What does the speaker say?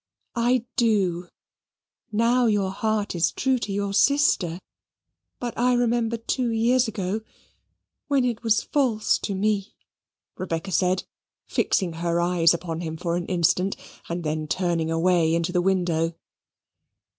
"I do, now your heart is true to your sister. But I remember two years ago when it was false to me!" Rebecca said, fixing her eyes upon him for an instant, and then turning away into the window.